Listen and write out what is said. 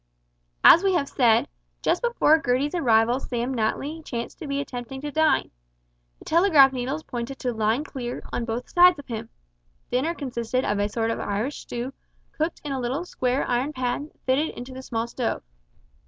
As we have said, just before Gertie's arrival Sam Natly chanced to be attempting to dine. The telegraph needles pointed to "Line clear" on both sides of him. Dinner consisted of a sort of Irish stew cooked in a little square iron pan that fitted into the small stove.